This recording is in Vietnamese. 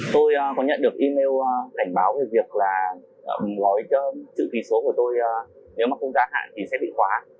tôi có nhận được email cảnh báo về việc là gói chữ ký số của tôi nếu mà không ra hạn thì sẽ bị khóa